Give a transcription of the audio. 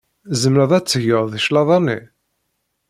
Tzemred ad d-tged cclaḍa-nni?